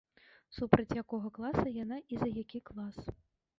Супраць якога класа яна і за які клас.